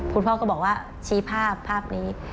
คุณพ่อก็บอกว่าชี้ภาพภาพนี้